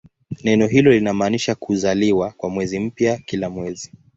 Neno hilo linamaanisha "kuzaliwa" kwa mwezi mpya kila mwezi.